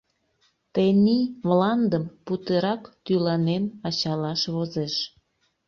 Тений мландым путырак тӱланен ачалаш возеш.